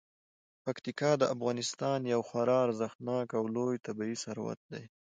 پکتیکا د افغانستان یو خورا ارزښتناک او لوی طبعي ثروت دی.